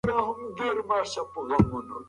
یوازې یې اجازه ورکړه چې خپله ډوډۍ وخوري.